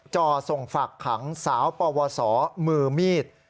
จ่อส่งฝากขังสาวปวสมือมีด